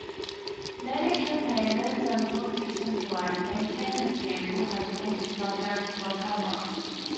Many Campaigners and Politicians alike maintain the scandal has been subject to a Cover-Up.